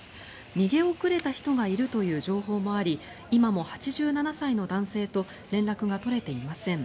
逃げ遅れた人がいるという情報もあり今も８７歳の男性と連絡が取れていません。